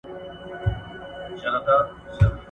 لا نور ډېر کارونه پاتې دي.